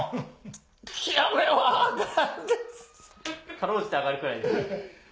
辛うじて上がるくらいです。